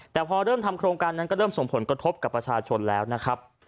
แต่พอเริ่มทำโครงการนั้นก็เริ่มส่งผลกระทบกับประชาชนแล้วนะครับ